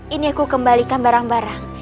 ini aku kembalikan barang barang